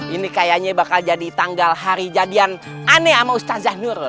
ini kayaknya bakal jadi tanggal hari jadian aneh sama ustazah nurul